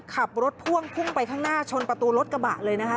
ขับรถพ่วงพุ่งไปข้างหน้าชนประตูรถกระบะเลยนะคะ